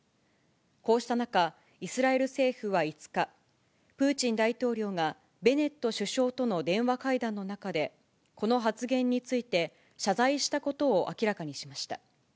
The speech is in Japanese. こうした中、イスラエル政府は５日、プーチン大統領がベネット首相との電話会談の中で、この発言について謝罪したことを明らかにしました。